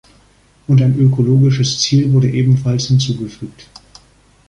Und ein ökologisches Ziel wurde ebenfalls hinzugefügt.